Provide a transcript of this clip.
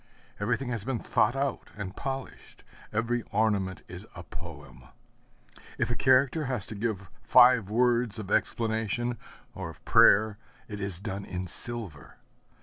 Everything has been thought out and polished; every ornament is a poem. If a character has to give five words of explanation or of prayer, it is done in silver.